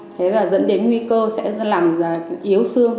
thế là dẫn đến nguy cơ sẽ làm yếu sương